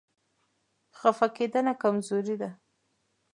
خفه کېدنه کمزوري ده.